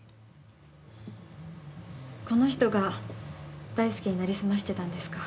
この人が大祐に成り済ましてたんですか。